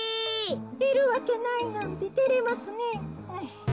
いるわけないなんててれますねえ。